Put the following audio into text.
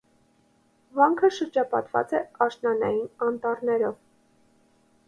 Վանքը շրջապատված է աշնանային անտառներով։